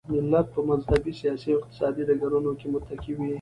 ملت په مذهبي، سیاسي او اقتصادي ډګرونو کې متکي وي.